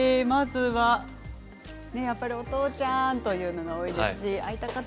やっぱりお父ちゃん！というのが多いですね。